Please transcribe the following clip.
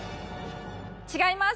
違います。